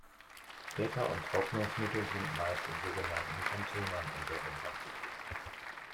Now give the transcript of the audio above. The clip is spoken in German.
Getter und Trocknungsmittel sind meist in sogenannten Containern untergebracht.